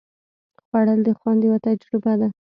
خوړل د خوند یوه تجربه ده